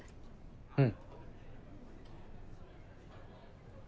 うん。